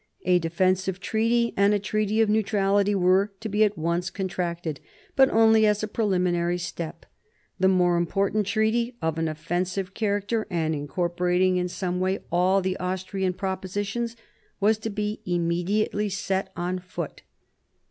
A defensive treaty and a treaty of neutrality were to be at once contracted, but only as a preliminary step. The more important treaty, of an offensive character, and incorporating in some way all the Austrian propositions, was to be immediately set on foot.